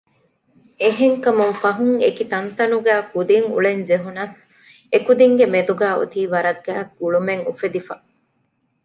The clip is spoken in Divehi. އެެހެންކަމުން ފަހުން އެކި ތަންތަނުގައި ކުދިން އުޅެން ޖެހުނަސް އެކުދިންގެ މެދުގައި އޮތީ ވަރަށް ގާތް ގުޅުމެއް އުފެދިފަ